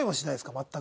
全く。